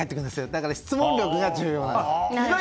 だから質問力が重要。